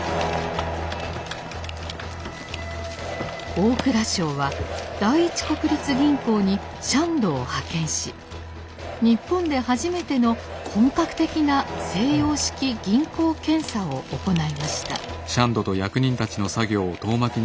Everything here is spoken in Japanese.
大蔵省は第一国立銀行にシャンドを派遣し日本で初めての本格的な西洋式銀行検査を行いました。